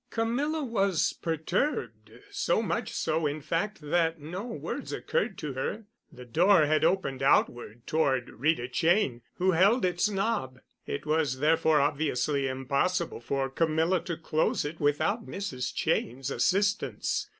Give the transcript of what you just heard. Camilla was perturbed—so much so, in fact, that no words occurred to her. The door had opened outward toward Rita Cheyne, who held its knob. It was, therefore, obviously impossible for Camilla to close it without Mrs. Cheyne's assistance.